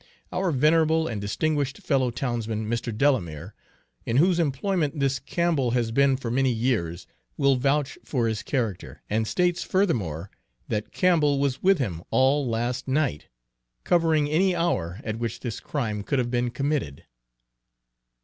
Our venerable and distinguished fellow townsman, Mr. Delamere, in whose employment this Campbell has been for many years, will vouch for his character, and states, furthermore, that Campbell was with him all last night, covering any hour at which this crime could have been committed."